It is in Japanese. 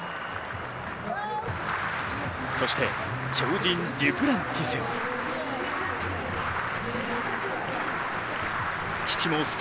そして、超人デュプランティス。